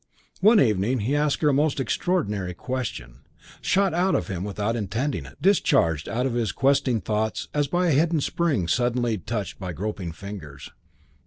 One evening he asked her a most extraordinary question, shot out of him without intending it, discharged out of his questing thoughts as by a hidden spring suddenly touched by groping fingers.